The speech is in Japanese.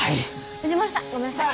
藤丸さんごめんなさい。